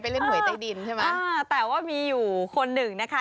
เล่นหวยใต้ดินใช่ไหมอ่าแต่ว่ามีอยู่คนหนึ่งนะคะ